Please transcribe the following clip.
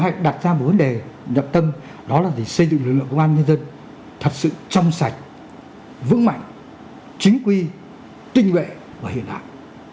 nghị quyết một mươi hai đặt ra một vấn đề nhập tâm đó là để xây dựng lực lượng quan nhân dân thật sự chăm sạch vững mạnh chính quy tinh nguyện và hiện đại